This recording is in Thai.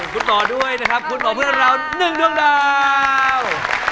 คุณหมอด้วยนะครับคุณหมอเพื่อนเรา๑ดวงดาว